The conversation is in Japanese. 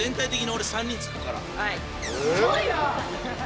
すごいな！